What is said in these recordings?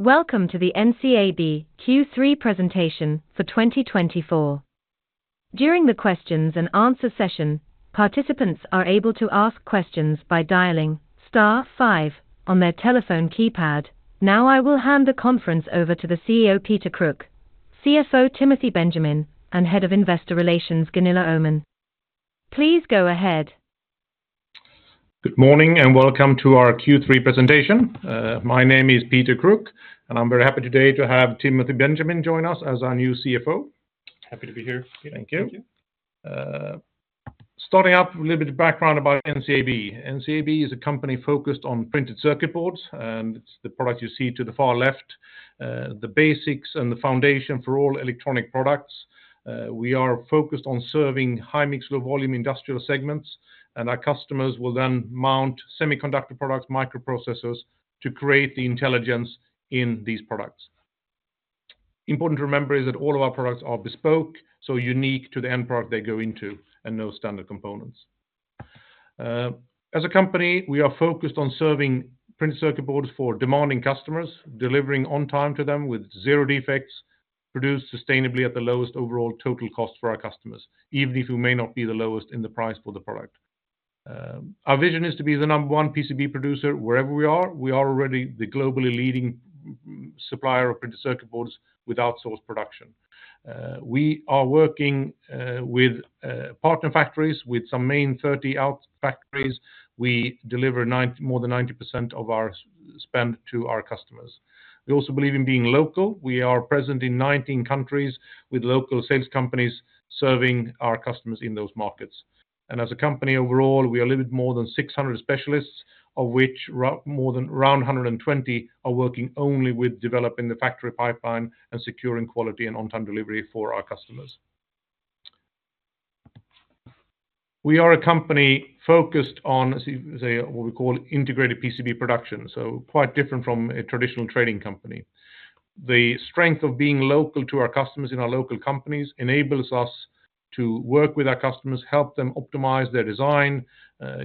Welcome to the NCAB Q3 presentation for 2024. During the Q&A session, participants are able to ask questions by dialing star five on their telephone keypad. Now I will hand the conference over to the CEO Peter Kruk, CFO Timothy Benjamin, and Head of Investor Relations Gunilla Öhman. Please go ahead. Good morning and welcome to our Q3 presentation. My name is Peter Kruk, and I'm very happy today to have Timothy Benjamin join us as our new CFO. Happy to be here. Thank you. Starting off with a little bit of background about NCAB. NCAB is a company focused on printed circuit boards, and it's the product you see to the far left, the basics and the foundation for all electronic products. We are focused on serving high-mix, low-volume industrial segments, and our customers will then mount semiconductor products, microprocessors to create the intelligence in these products. Important to remember is that all of our products are bespoke, so unique to the end product they go into, and no standard components. As a company, we are focused on serving printed circuit boards for demanding customers, delivering on time to them with zero defects, produced sustainably at the lowest overall total cost for our customers, even if we may not be the lowest in the price for the product. Our vision is to be the number one PCB producer wherever we are. We are already the globally leading supplier of printed circuit boards without own production. We are working with partner factories, with some main 30-odd factories. We deliver more than 90% of our spend to our customers. We also believe in being local. We are present in 19 countries with local sales companies serving our customers in those markets, and as a company overall, we are a little bit more than 600 specialists, of which more than around 120 are working only with developing the factory pipeline and securing quality and on-time delivery for our customers. We are a company focused on what we call integrated PCB production, so quite different from a traditional trading company. The strength of being local to our customers in our local companies enables us to work with our customers, help them optimize their design,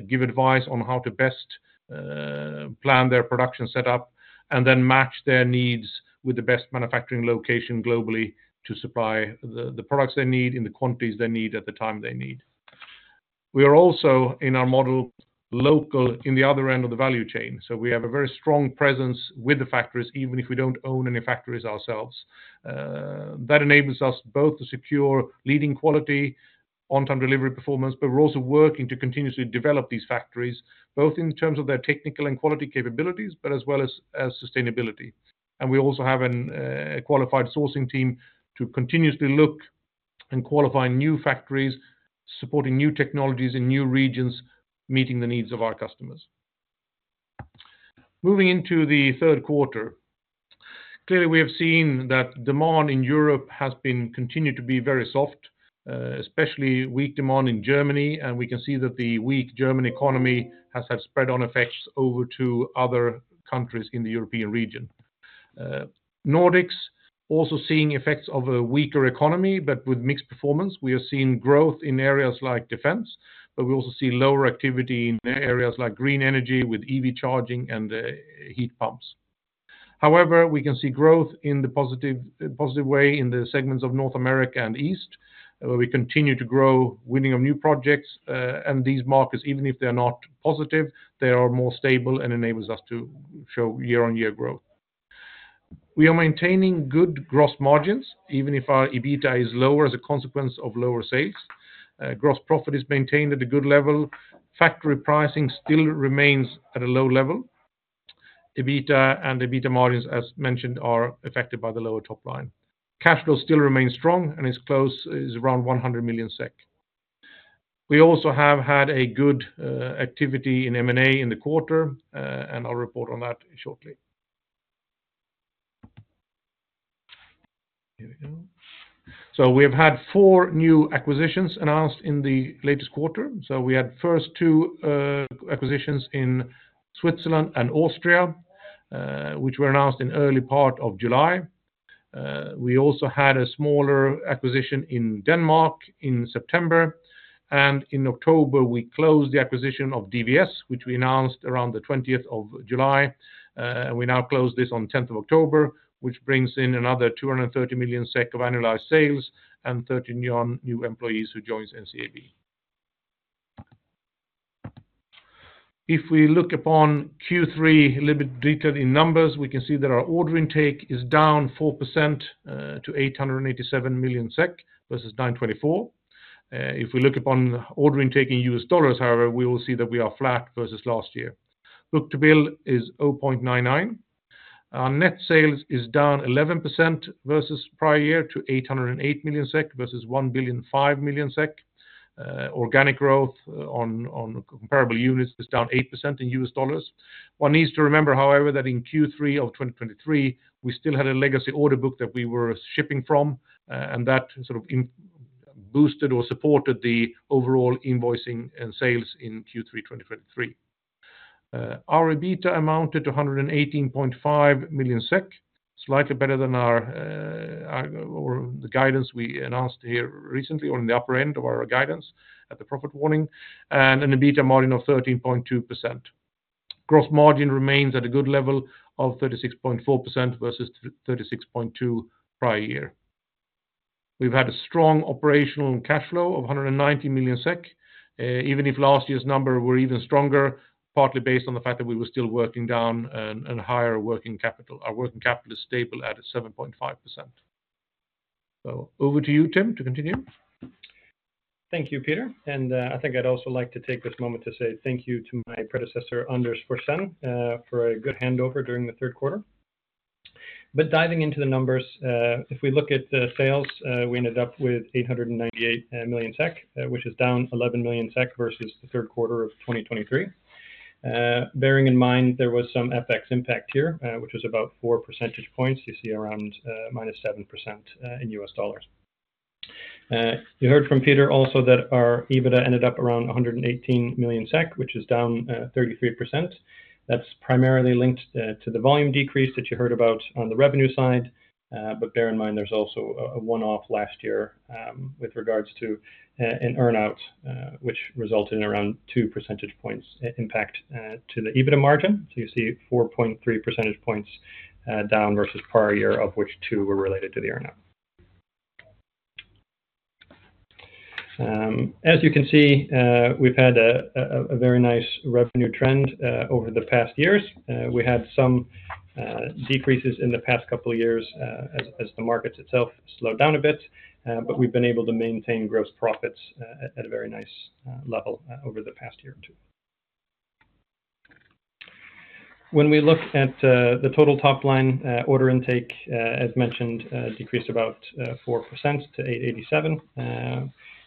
give advice on how to best plan their production setup, and then match their needs with the best manufacturing location globally to supply the products they need in the quantities they need at the time they need. We are also in our model local in the other end of the value chain, so we have a very strong presence with the factories, even if we don't own any factories ourselves. That enables us both to secure leading quality, on-time delivery performance, but we're also working to continuously develop these factories, both in terms of their technical and quality capabilities, but as well as sustainability. We also have a qualified sourcing team to continuously look and qualify new factories, supporting new technologies in new regions, meeting the needs of our customers. Moving into the third quarter, clearly we have seen that demand in Europe has continued to be very soft, especially weak demand in Germany, and we can see that the weak German economy has had spillover effects over to other countries in the European region. Nordics are also seeing effects of a weaker economy, but with mixed performance. We have seen growth in areas like defense, but we also see lower activity in areas like green energy with EV charging and heat pumps. However, we can see growth in the positive way in the segments of North America and East, where we continue to grow, winning on new projects, and these markets, even if they're not positive, they are more stable and enable us to show year-on-year growth. We are maintaining good gross margins, even if our EBITDA is lower as a consequence of lower sales. Gross profit is maintained at a good level. Factory pricing still remains at a low level. EBITDA and EBITDA margins, as mentioned, are affected by the lower top line. Cash flow still remains strong and is close to around 100 million SEK. We also have had a good activity in M&A in the quarter, and I'll report on that shortly. So we have had four new acquisitions announced in the latest quarter. We had first two acquisitions in Switzerland and Austria, which were announced in the early part of July. We also had a smaller acquisition in Denmark in September, and in October, we closed the acquisition of DVS, which we announced around the 20th of July. We now close this on the 10th of October, which brings in another 230 million SEK of annualized sales and 30 new employees who join NCAB. If we look upon Q3 a little bit detailed in numbers, we can see that our order intake is down 4% to 887 million SEK versus 924 million. If we look upon order intake in U.S. dollars, however, we will see that we are flat versus last year. Book-to-bill is 0.99. Our net sales is down 11% versus prior year to 808 million SEK versus 1 billion 5 million SEK. Organic growth on comparable units is down 8% in U.S. dollars. One needs to remember, however, that in Q3 of 2023, we still had a legacy order book that we were shipping from, and that sort of boosted or supported the overall invoicing and sales in Q3 2023. Our EBITDA amounted to 118.5 million SEK, slightly better than the guidance we announced here recently, or in the upper end of our guidance at the profit warning, and an EBITDA margin of 13.2%. Gross margin remains at a good level of 36.4% versus 36.2% prior year. We've had a strong operational cash flow of 190 million SEK, even if last year's number were even stronger, partly based on the fact that we were still working down and higher working capital. Our working capital is stable at 7.5%. Over to you, Tim, to continue. Thank you, Peter. And I think I'd also like to take this moment to say thank you to my predecessor, Anders Forsén, for a good handover during the third quarter. But diving into the numbers, if we look at sales, we ended up with 898 million SEK, which is down 11 millio versus the third quarter of 2023. Bearing in mind there was some FX impact here, which was about four percentage points, you see around minus 7% in U.S. dollars. You heard from Peter also that our EBITDA ended up around 118 million SEK, which is down 33%. That's primarily linked to the volume decrease that you heard about on the revenue side, but bear in mind there's also a one-off last year with regards to an earnout, which resulted in around two percentage points impact to the EBITDA margin. You see 4.3 percentage points down versus prior year, of which two were related to the earnout. As you can see, we've had a very nice revenue trend over the past years. We had some decreases in the past couple of years as the markets itself slowed down a bit, but we've been able to maintain gross profits at a very nice level over the past year or two. When we look at the total top line order intake, as mentioned, decreased about 4% to 887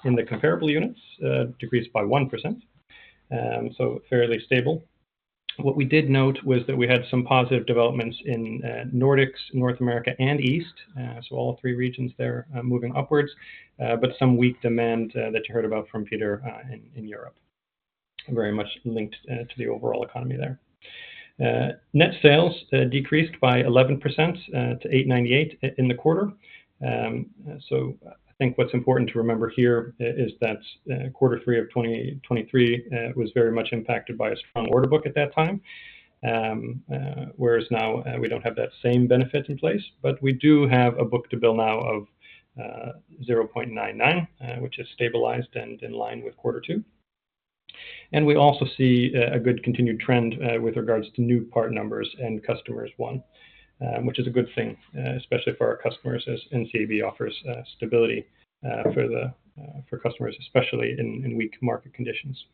in the comparable units, decreased by 1%, so fairly stable. What we did note was that we had some positive developments in Nordics, North America, and East, so all three regions there moving upwards, but some weak demand that you heard about from Peter in Europe, very much linked to the overall economy there. Net sales decreased by 11% to 898 in the quarter. So I think what's important to remember here is that quarter three of 2023 was very much impacted by a strong order book at that time, whereas now we don't have that same benefit in place, but we do have a book-to-bill now of 0.99, which is stabilized and in line with quarter two. And we also see a good continued trend with regards to new part numbers and customers won, which is a good thing, especially for our customers as NCAB offers stability for customers, especially in weak market conditions.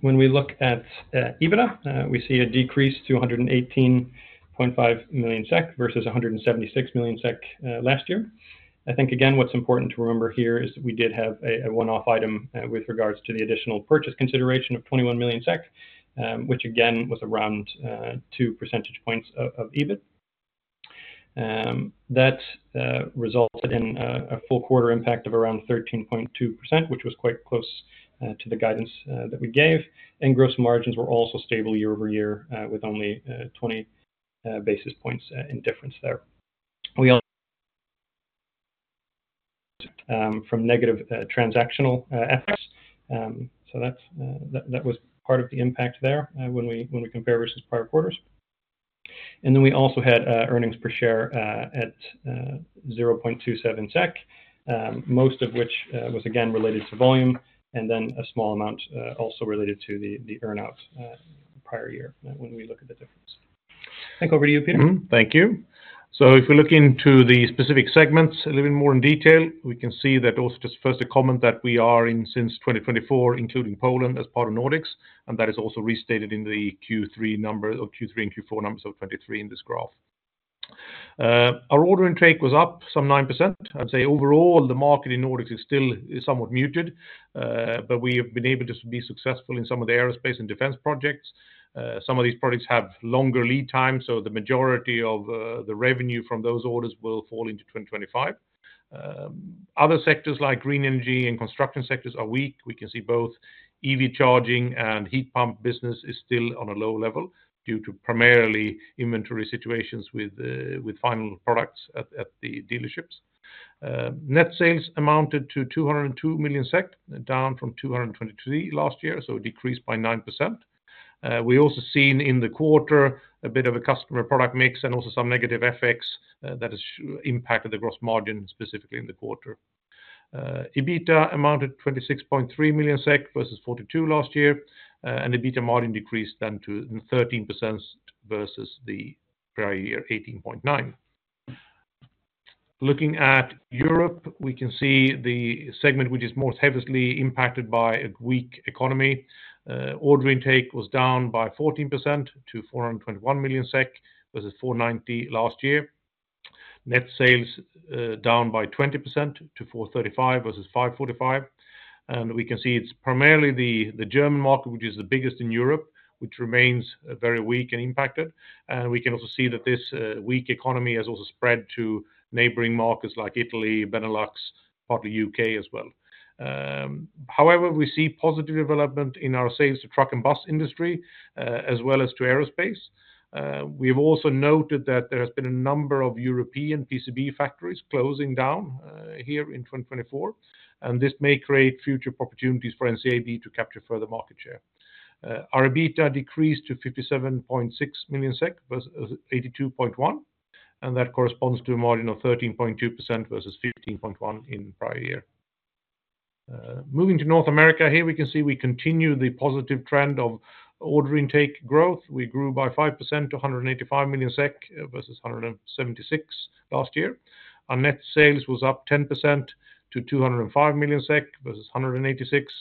When we look at EBITDA, we see a decrease to 118.5 million SEK versus 176 million SEK last year. I think again what's important to remember here is that we did have a one-off item with regards to the additional purchase consideration of 21 million SEK, which again was around two percentage points of EBIT. That resulted in a full quarter impact of around 13.2%, which was quite close to the guidance that we gave, and gross margins were also stable year-over-year, with only 20 basis points in difference there. We also suffered from negative transactional effects, so that was part of the impact there when we compare versus prior quarters, and then we also had earnings per share at 0.27 SEK, most of which was again related to volume, and then a small amount also related to the earnout prior year when we look at the difference. Thank you. Thank you, so if we look into the specific segments a little bit more in detail, we can see that also just first a comment that we are in since 2024, including Poland as part of Nordics, and that is also restated in the Q3 number or Q3 and Q4 numbers of 2023 in this graph. Our order intake was up some 9%. I'd say overall the market in Nordics is still somewhat muted, but we have been able to be successful in some of the aerospace and defense projects. Some of these projects have longer lead time, so the majority of the revenue from those orders will fall into 2025. Other sectors like green energy and construction sectors are weak. We can see both EV charging and heat pump business is still on a low level due to primarily inventory situations with final products at the dealerships. Net sales amounted to 202 million SEK, down from 223 last year, so a decrease by 9%. We also seen in the quarter a bit of a customer product mix and also some negative FX that has impacted the gross margin specifically in the quarter. EBITDA amounted 26.3 million SEK versus 42 last year, and EBITDA margin decreased then to 13% versus the prior year 18.9%. Looking at Europe, we can see the segment which is most heavily impacted by a weak economy. Order intake was down by 14% to 421 million SEK versus 490 last year. Net sales down by 20% to 435 versus 545. And we can see it's primarily the German market, which is the biggest in Europe, which remains very weak and impacted. And we can also see that this weak economy has also spread to neighboring markets like Italy, Benelux, partly U.K. as well. However, we see positive development in our sales to truck and bus industry, as well as to aerospace. We have also noted that there has been a number of European PCB factories closing down here in 2024, and this may create future opportunities for NCAB to capture further market share. Our EBITDA decreased to 57.6 million SEK versus 82.1 million, and that corresponds to a margin of 13.2% versus 15.1% in prior year. Moving to North America here, we can see we continue the positive trend of order intake growth. We grew by 5% to 185 million SEK versus 176 million last year. Our net sales was up 10% to 205 million SEK versus 186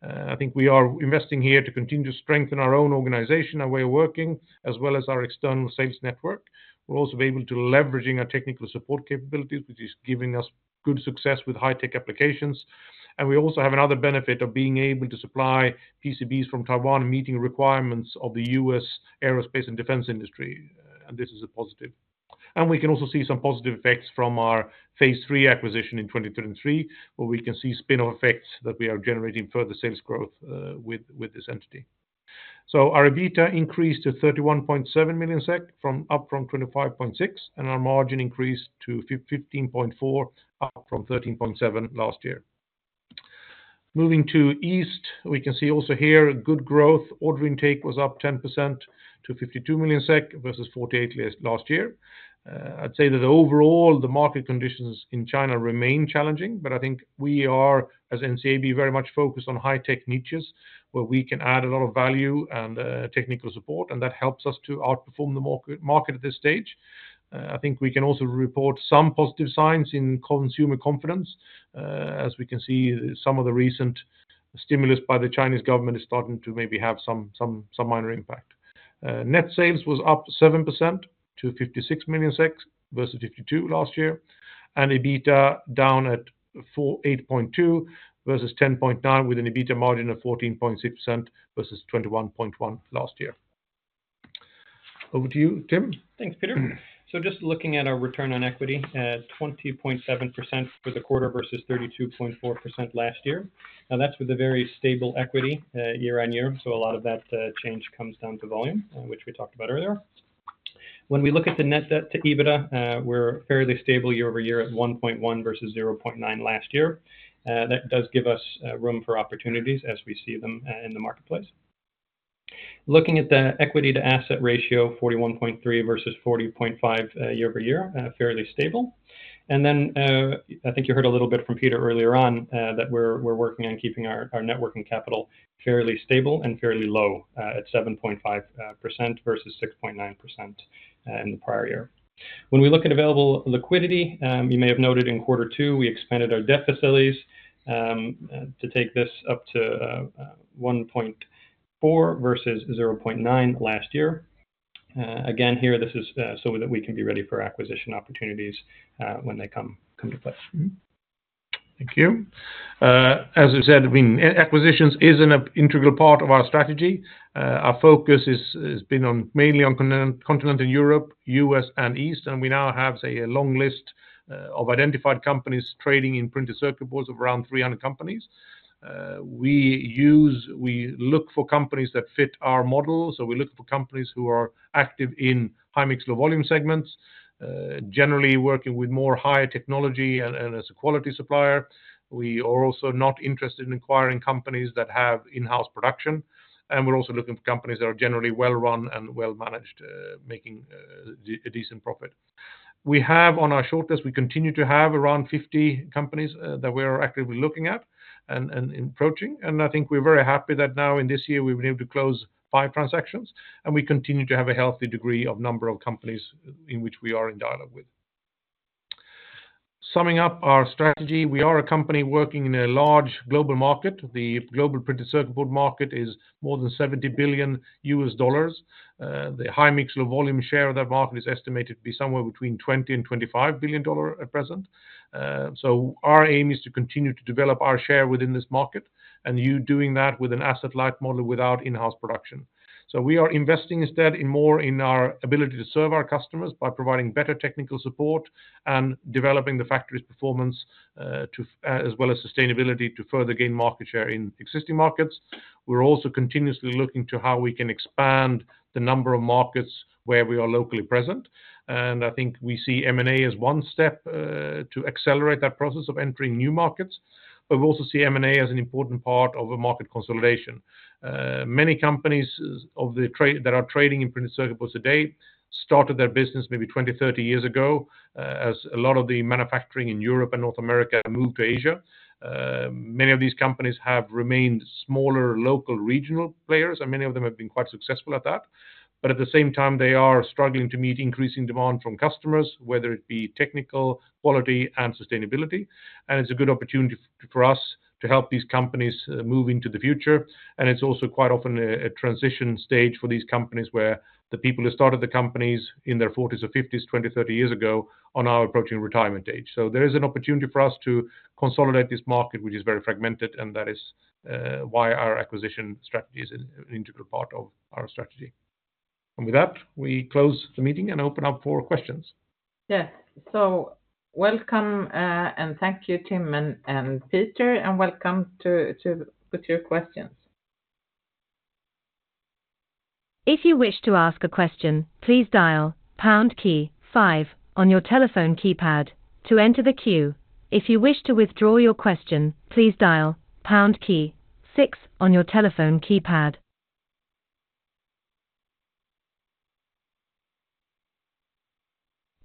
million. I think we are investing here to continue to strengthen our own organization, our way of working, as well as our external sales network. We're also able to leverage our technical support capabilities, which is giving us good success with high-tech applications. And we also have another benefit of being able to supply PCBs from Taiwan meeting requirements of the U.S. aerospace and defense industry, and this is a positive. And we can also see some positive effects from our Phase 3 acquisition in 2023, where we can see spin-off effects that we are generating further sales growth with this entity. So our EBITDA increased to 31.7 million SEK, up from 25.6, and our margin increased to 15.4%, up from 13.7% last year. Moving to East, we can see also here good growth. Order intake was up 10% to 52 million SEK versus 48 last year. I'd say that overall the market conditions in China remain challenging, but I think we are as NCAB very much focused on high-tech niches where we can add a lot of value and technical support, and that helps us to outperform the market at this stage. I think we can also report some positive signs in consumer confidence, as we can see some of the recent stimulus by the Chinese government is starting to maybe have some minor impact. Net sales was up 7% to 56 million versus 52 last year, and EBITDA down at 8.2 versus 10.9, with an EBITDA margin of 14.6% versus 21.1 last year. Over to you, Tim. Thanks, Peter. So just looking at our return on equity, 20.7% for the quarter versus 32.4% last year. Now that's with a very stable equity year on year, so a lot of that change comes down to volume, which we talked about earlier. When we look at the net debt to EBITDA, we're fairly stable year over year at 1.1 versus 0.9 last year. That does give us room for opportunities as we see them in the marketplace. Looking at the equity to assets ratio, 41.3% versus 40.5% year-over-year, fairly stable. Then I think you heard a little bit from Peter earlier on that we're working on keeping our working capital fairly stable and fairly low at 7.5% versus 6.9% in the prior year. When we look at available liquidity, you may have noted in quarter two, we expanded our debt facilities to take this up to 1.4 versus 0.9 last year. Again here, this is so that we can be ready for acquisition opportunities when they come to play. Thank you. As you said, acquisitions is an integral part of our strategy. Our focus has been mainly on continental Europe, U.S., and East, and we now have a long list of identified companies trading in printed circuit boards of around 300 companies. We look for companies that fit our model, so we look for companies who are active in high-mix low volume segments, generally working with more higher technology and as a quality supplier. We are also not interested in acquiring companies that have in-house production, and we're also looking for companies that are generally well-run and well-managed, making a decent profit. We have on our shortlist. We continue to have around 50 companies that we are actively looking at and approaching, and I think we're very happy that now in this year we've been able to close five transactions, and we continue to have a healthy degree of number of companies in which we are in dialogue with. Summing up our strategy, we are a company working in a large global market. The global printed circuit board market is more than $70 billion. The high-mix low-volume share of that market is estimated to be somewhere between $20 billion and $25 billion at present. So our aim is to continue to develop our share within this market and you doing that with an asset-light model without in-house production. So we are investing instead more in our ability to serve our customers by providing better technical support and developing the factory's performance as well as sustainability to further gain market share in existing markets. We're also continuously looking to how we can expand the number of markets where we are locally present, and I think we see M&A as one step to accelerate that process of entering new markets, but we also see M&A as an important part of a market consolidation. Many companies that are trading in printed circuit boards today started their business maybe 20, 30 years ago as a lot of the manufacturing in Europe and North America moved to Asia. Many of these companies have remained smaller local regional players, and many of them have been quite successful at that, but at the same time, they are struggling to meet increasing demand from customers, whether it be technical, quality, and sustainability. And it's a good opportunity for us to help these companies move into the future, and it's also quite often a transition stage for these companies where the people who started the companies in their 40s or 50s 20, 30 years ago are now approaching retirement age. So there is an opportunity for us to consolidate this market, which is very fragmented, and that is why our acquisition strategy is an integral part of our strategy. And with that, we close the meeting and open up for questions. Yes, so welcome and thank you, Tim and Peter, and welcome to put your questions. If you wish to ask a question, please dial pound key five on your telephone keypad to enter the queue. If you wish to withdraw your question, please dial pound key six on your telephone keypad.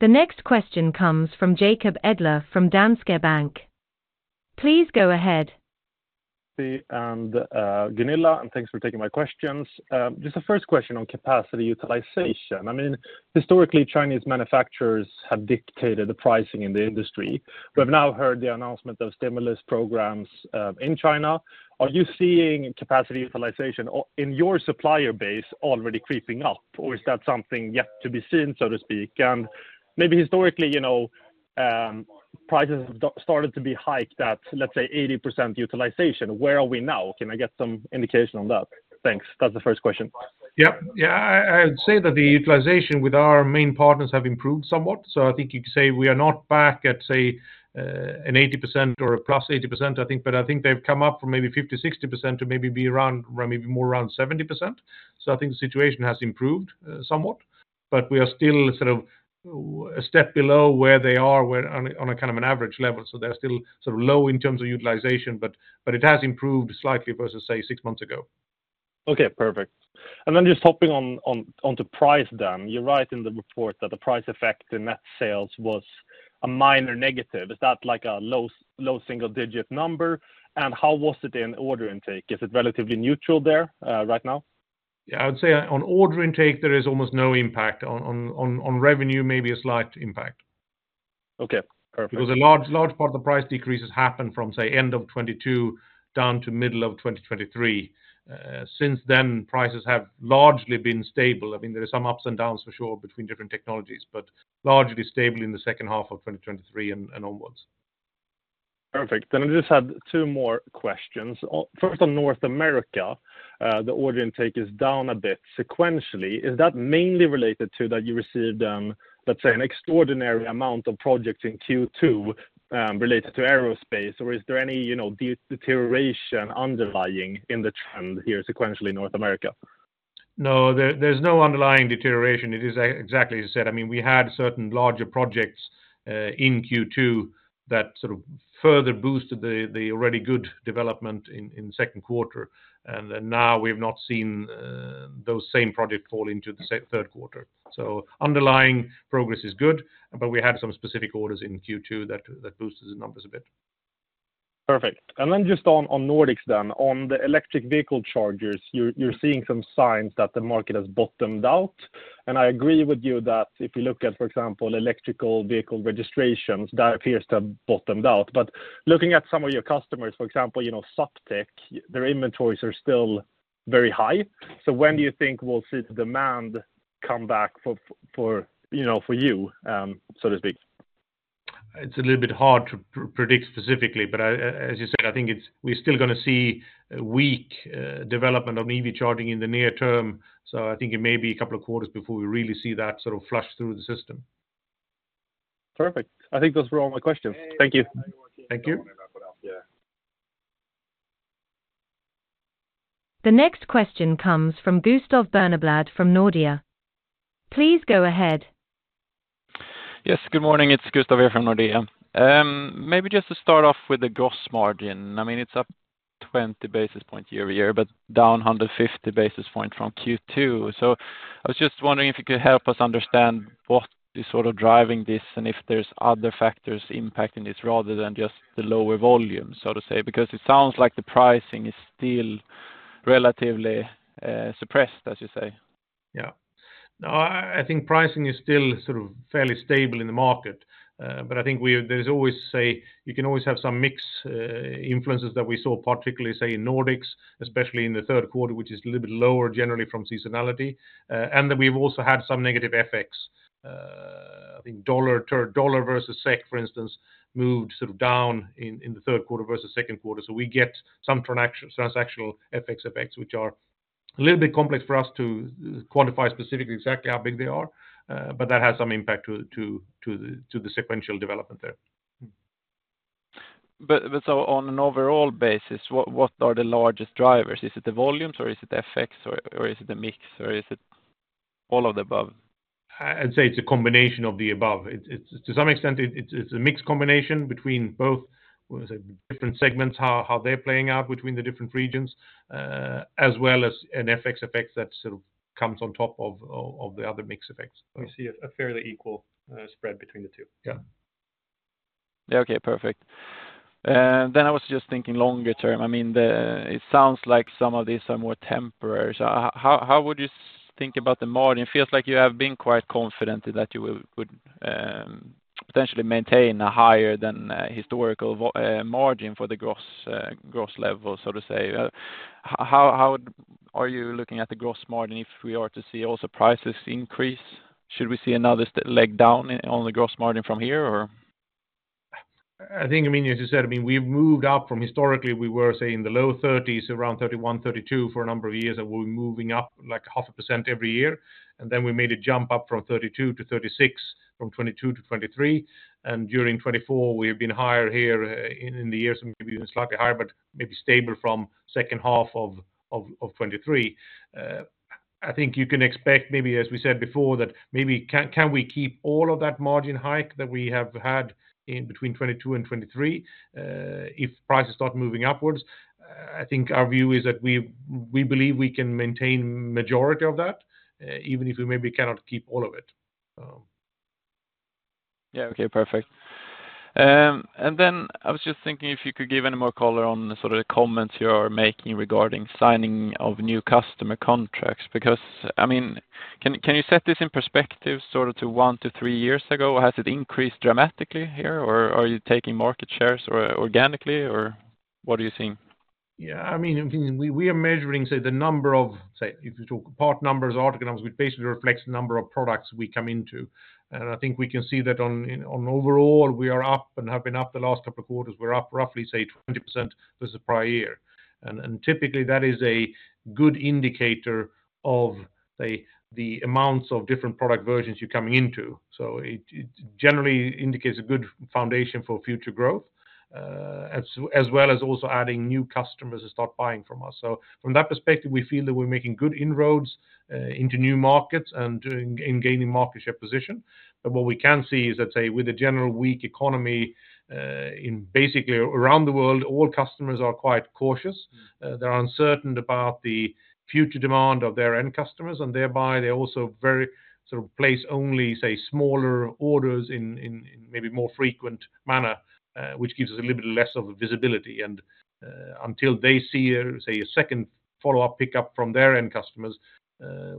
The next question comes from Jacob Edler from Danske Bank. Please go ahead. Gunilla, and thanks for taking my questions. Just the first question on capacity utilization. I mean, historically, Chinese manufacturers have dictated the pricing in the industry. We've now heard the announcement of stimulus programs in China. Are you seeing capacity utilization in your supplier base already creeping up, or is that something yet to be seen, so to speak? And maybe historically, prices have started to be hiked at, let's say, 80% utilization. Where are we now? Can I get some indication on that? Thanks. That's the first question. Yep. Yeah, I would say that the utilization with our main partners has improved somewhat. So I think you could say we are not back at, say, an 80% or a+80%, I think, but I think they've come up from maybe 50%-60% to maybe be around, maybe more around 70%. So I think the situation has improved somewhat, but we are still sort of a step below where they are on a kind of an average level. So they're still sort of low in terms of utilization, but it has improved slightly versus, say, six months ago. Okay, perfect. And then just hopping onto price then, you're right in the report that the price effect in net sales was a minor negative. Is that like a low single digit number? And how was it in order intake? Is it relatively neutral there right now? Yeah, I would say on order intake, there is almost no impact. On revenue, maybe a slight impact. Okay, perfect. Because a large part of the price decrease has happened from, say, end of 2022 down to middle of 2023. Since then, prices have largely been stable. I mean, there are some ups and downs for sure between different technologies, but largely stable in the second half of 2023 and onwards. Perfect. Then I just had two more questions. First, on North America, the order intake is down a bit sequentially. Is that mainly related to that you received then, let's say, an extraordinary amount of projects in Q2 related to aerospace, or is there any deterioration underlying in the trend here sequentially in North America? No, there's no underlying deterioration. It is exactly as you said. I mean, we had certain larger projects in Q2 that sort of further boosted the already good development in second quarter, and now we have not seen those same projects fall into the third quarter. So underlying progress is good, but we had some specific orders in Q2 that boosted the numbers a bit. Perfect. And then just on Nordics then, on the electric vehicle chargers, you're seeing some signs that the market has bottomed out. And I agree with you that if you look at, for example, electric vehicle registrations, that appears to have bottomed out. But looking at some of your customers, for example, Zaptec, their inventories are still very high. So when do you think we'll see the demand come back for you, so to speak? It's a little bit hard to predict specifically, but as you said, I think we're still going to see weak development of EV charging in the near term. So I think it may be a couple of quarters before we really see that sort of flush through the system. Perfect. I think those were all my questions. Thank you. Thank you. The next question comes from Gustav Berneblad from Nordea. Please go ahead. Yes, good morning. It's Gustav here from Nordea. Maybe just to start off with the gross margin. I mean, it's up 20 basis points year over year, but down 150 basis points from Q2. So I was just wondering if you could help us understand what is sort of driving this and if there's other factors impacting this rather than just the lower volume, so to say, because it sounds like the pricing is still relatively suppressed, as you say. Yeah. No, I think pricing is still sort of fairly stable in the market, but I think there's always, say, you can always have some mixed influences that we saw, particularly, say, in Nordics, especially in the third quarter, which is a little bit lower generally from seasonality. We've also had some negative effects. I think dollar versus SEK, for instance, moved sort of down in the third quarter versus second quarter. We get some transactional FX effects, which are a little bit complex for us to quantify specifically exactly how big they are, but that has some impact to the sequential development there. But so on an overall basis, what are the largest drivers? Is it the volumes, or is it FX, or is it a mix, or is it all of the above? I'd say it's a combination of the above. To some extent, it's a mixed combination between both different segments, how they're playing out between the different regions, as well as an FX effect that sort of comes on top of the other mixed effects. We see a fairly equal spread between the two. Yeah. Okay, perfect. Then I was just thinking longer term. I mean, it sounds like some of these are more temporary. So how would you think about the margin? It feels like you have been quite confident that you would potentially maintain a higher than historical margin for the gross level, so to say. How are you looking at the gross margin if we are to see also prices increase? Should we see another leg down on the gross margin from here, or? I think, I mean, as you said, I mean, we've moved up from historically, we were, say, in the low 30s, around 31%, 32% for a number of years, and we're moving up like 0.5% every year, and then we made a jump up from 32% to 36% from 2022 to 2023, and during 2024, we have been higher here in the years, maybe even slightly higher, but maybe stable from second half of 2023. I think you can expect maybe, as we said before, that maybe can we keep all of that margin hike that we have had between 2022 and 2023 if prices start moving upwards? I think our view is that we believe we can maintain the majority of that, even if we maybe cannot keep all of it. Yeah, okay, perfect. And then I was just thinking if you could give any more color on sort of the comments you are making regarding signing of new customer contracts, because I mean, can you set this in perspective sort of to one to three years ago? Has it increased dramatically here, or are you taking market shares organically, or what are you seeing? Yeah, I mean, we are measuring, say, the number of, say, if you talk part numbers, article numbers, which basically reflects the number of products we come into. And I think we can see that overall we are up and have been up the last couple of quarters. We're up roughly, say, 20% versus prior year. And typically, that is a good indicator of the amounts of different product versions you're coming into. So it generally indicates a good foundation for future growth, as well as also adding new customers who start buying from us. So from that perspective, we feel that we're making good inroads into new markets and gaining market share position. But what we can see is that, say, with a general weak economy in basically around the world, all customers are quite cautious. They're uncertain about the future demand of their end customers, and thereby they also very sort of place only, say, smaller orders in maybe more frequent manner, which gives us a little bit less of a visibility, and until they see, say, a second follow-up pickup from their end customers,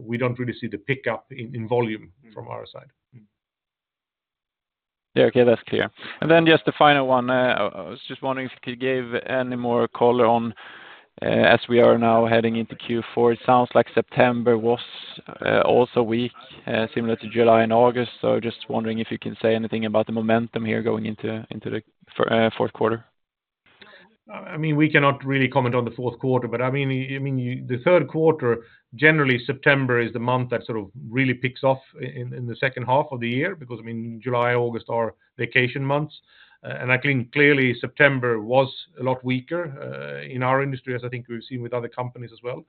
we don't really see the pickup in volume from our side. Yeah, okay, that's clear. And then just the final one, I was just wondering if you could give any more color on, as we are now heading into Q4, it sounds like September was also weak, similar to July and August. So just wondering if you can say anything about the momentum here going into the fourth quarter? I mean, we cannot really comment on the fourth quarter, but I mean, the third quarter, generally, September is the month that sort of really picks off in the second half of the year because, I mean, July and August are vacation months. And I think clearly September was a lot weaker in our industry, as I think we've seen with other companies as well.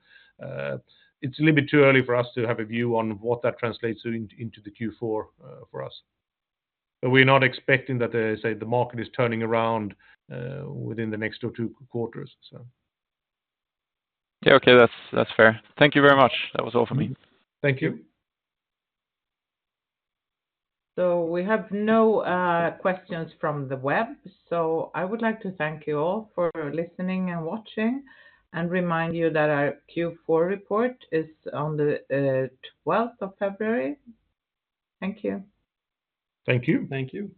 It's a little bit too early for us to have a view on what that translates into the Q4 for us. But we're not expecting that, say, the market is turning around within the next two or three quarters, so. Yeah, okay, that's fair. Thank you very much. That was all for me. Thank you. We have no questions from the web. I would like to thank you all for listening and watching and remind you that our Q4 report is on the 12th of February. Thank you. Thank you. Thank you.